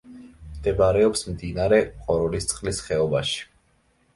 მდებარეობს მდინარე ყოროლისწყლის ხეობაში.